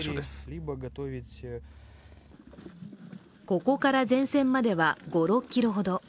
ここから前線までは５６ｋｍほど。